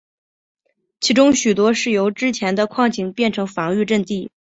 其中许多是由之前的矿井变成了防御阵地。